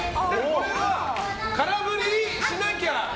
これは空振りしなきゃ。